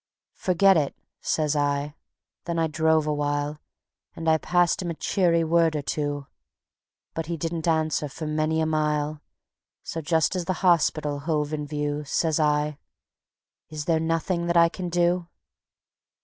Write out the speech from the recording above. "Forget it," says I; then I drove awhile, And I passed him a cheery word or two; But he didn't answer for many a mile, So just as the hospital hove in view, Says I: "Is there nothing that I can do?"